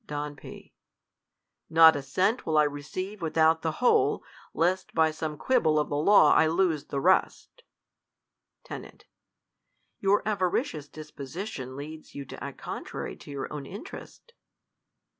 Don P, Not a cent will I receive without the whok, lest by some quibble of the law I lose the rest. Ten, Your avaricious disposition leads you to act contrary to your own interest.